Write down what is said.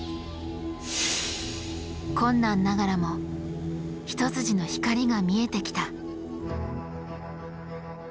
困難ながらも一筋の光が見えてきた。